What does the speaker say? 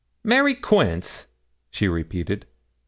'Mary Quince,' she repeated.